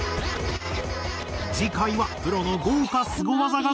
次回はプロの豪華スゴ技が続々！